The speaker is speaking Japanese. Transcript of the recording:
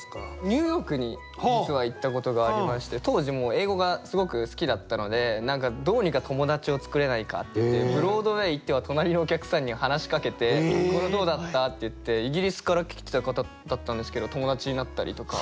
ニューヨークに実は行ったことがありまして当時もう英語がすごく好きだったのでどうにか友達を作れないかってブロードウェイ行っては隣のお客さんに話しかけて「これどうだった？」って言ってイギリスから来た方だったんですけど友達になったりとか。